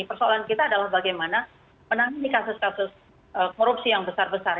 persoalan kita adalah bagaimana menangani kasus kasus korupsi yang besar besar